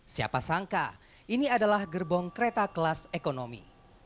siapa sangka ini adalah gerbong kereta kelas ekonomi